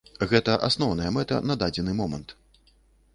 Гэта асноўная мэта на дадзены момант.